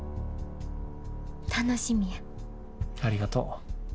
ありがとう。